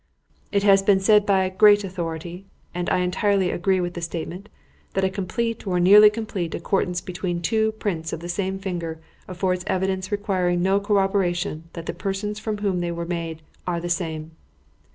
"It has been said by a great authority and I entirely agree with the statement that a complete, or nearly complete, accordance between two prints of a single finger affords evidence requiring no corroboration that the persons from whom they were made are the same.